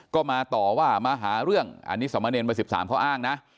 ก็มาต่อว่ามาหาเรื่องอันนี้สมเนรวัย๑๓เขาอ้างนะ